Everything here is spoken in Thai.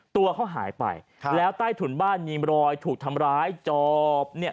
ตัวเขาหายไปแล้วใต้ถุนบ้านมีรอยถูกทำร้ายจอบเนี่ย